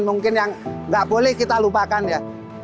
mungkin yang nggak boleh kita lupakan ya